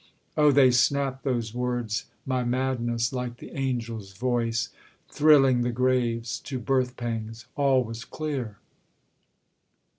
Oh they snapped, Those words, my madness, like the angel's voice Thrilling the graves to birth pangs. All was clear.